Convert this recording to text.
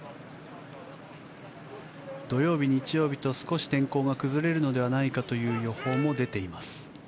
土曜日、日曜日と少し天候が崩れるのではないかという予報も出ています。